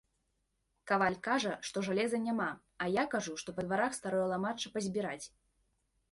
Каваль кажа, што жалеза няма, а я кажу, што па дварах старое ламачча пазбіраць.